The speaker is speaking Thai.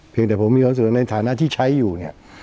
เพียงแต่ผมมีความสุขในฐานะที่ใช้อยู่เนี่ย